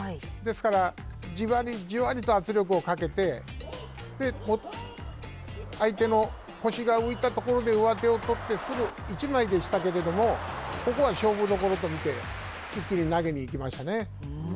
ですからじわりじわりと圧力をかけて相手の腰が浮いたところで上手を取ってすぐ１枚でしたけれどもここは勝負どころと見て一気に投げに行きましたね。